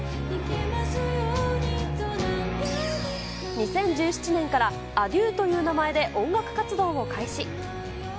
２０１７年からａｄｉｅｕという名前で音楽活動を開始。